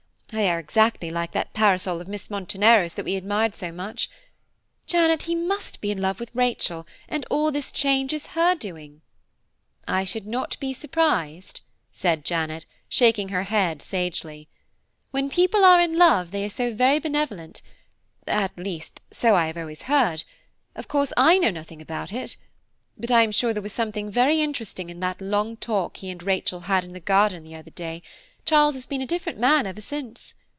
They are exactly like that parasol of Miss Monteneros' that we admired so much. Janet, he must be in love with Rachel, and all this change is her doing." "I should not be surprised," said Janet, shaking her head sagely. "When people are in love they are so very benevolent–at least, so I have always heard; of course, I know nothing about it. But I am sure there was something very interesting in that long talk he and Rachel had in the garden the other day: Charles has been a different man ever since.